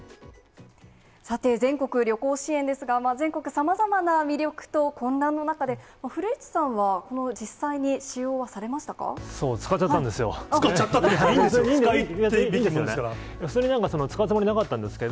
さて、全国旅行支援ですが、全国さまざまな魅力と混乱の中で、古市さんは、もう実際に使用はさ使っちゃったんですよ。